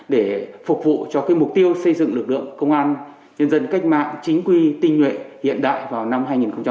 để phục vụ cho mục tiêu xây dựng lực lượng công an nhân dân cách mạng chính quy tinh nguyện hiện đại vào năm hai nghìn hai mươi